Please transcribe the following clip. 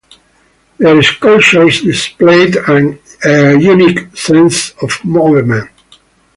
Their sculptures displayed a unique sense of movement.